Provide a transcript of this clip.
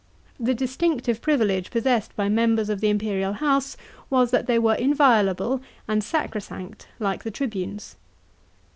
The distinctive privilege possessed by members of the imperial house was that they were inviolable and sacrosanct like the tribunes.